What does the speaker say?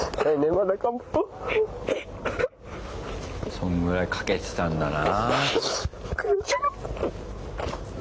そんぐらいかけてたんだな。